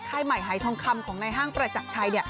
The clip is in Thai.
ใหม่หายทองคำของในห้างประจักรชัย